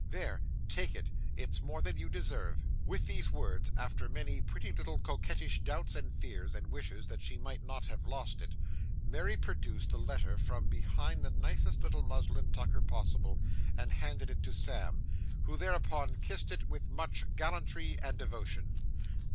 'There, take it; it's more than you deserve.' With these words, after many pretty little coquettish doubts and fears, and wishes that she might not have lost it, Mary produced the letter from behind the nicest little muslin tucker possible, and handed it to Sam, who thereupon kissed it with much gallantry and devotion.